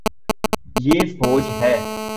یے فوج ہے